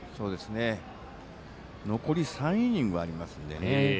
残り３イニングありますのでね。